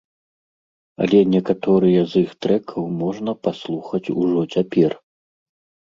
Але некаторыя з іх трэкаў можна паслухаць ужо цяпер.